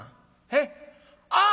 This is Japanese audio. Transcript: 「へっ？あっ！